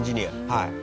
はい。